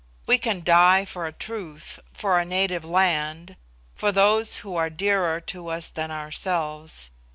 We can die for a truth, for a native land, for those who are dearer to us than ourselves.